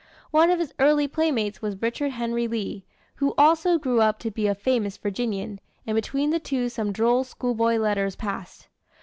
One of his early playmates was Richard Henry Lee, who also grew up to be a famous Virginian; and between the two some droll schoolboy letters passed.